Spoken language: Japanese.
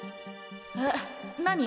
えっ何？